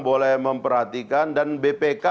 boleh memperhatikan dan bpk